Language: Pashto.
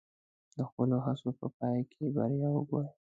د خپلو هڅو په پای کې بریا وګورئ.